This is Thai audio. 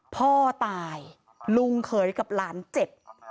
พ่อตายลุงเขยกับหลานเจ็บ